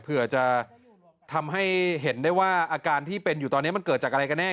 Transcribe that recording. เผื่อจะทำให้เห็นได้ว่าอาการที่เป็นอยู่ตอนนี้มันเกิดจากอะไรกันแน่